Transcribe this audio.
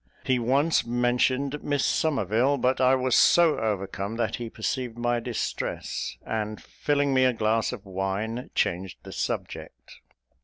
He once mentioned Miss Somerville; but I was so overcome, that he perceived my distress, and, filling me a glass of wine, changed the subject.